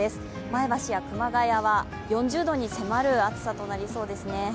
前橋や熊谷は４０度に迫る暑さとなりそうですね。